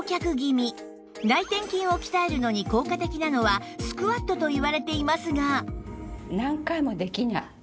内転筋を鍛えるのに効果的なのはスクワットといわれていますが